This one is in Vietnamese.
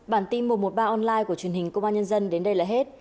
bản tin một trăm một mươi ba online của truyền hình công an nhân dân đến đây là hết